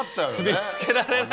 見つけられない。